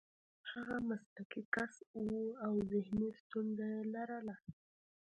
هغه مسلکي کس و او ذهني ستونزه یې لرله